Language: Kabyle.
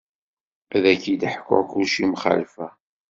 Ad ak-id-ḥku kulci mxalfa.